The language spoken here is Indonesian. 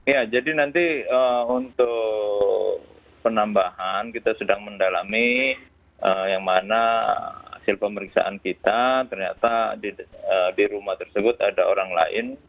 ya jadi nanti untuk penambahan kita sedang mendalami yang mana hasil pemeriksaan kita ternyata di rumah tersebut ada orang lain